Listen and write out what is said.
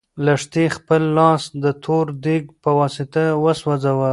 لښتې خپل لاس د تور دېګ په واسطه وسوځاوه.